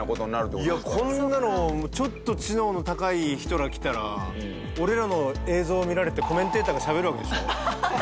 徳井：こんなのちょっと知能の高い人ら来たら俺らの映像、見られてコメンテーターがしゃべるわけでしょ。